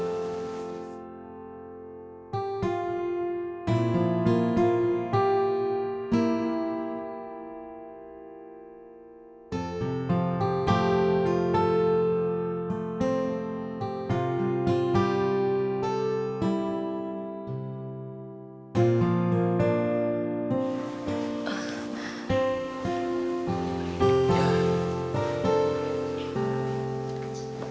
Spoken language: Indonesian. sekarang marah aja